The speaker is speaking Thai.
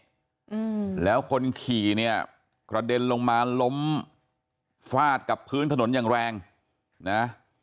อืมแล้วคนขี่เนี่ยกระเด็นลงมาล้มฟาดกับพื้นถนนอย่างแรงนะ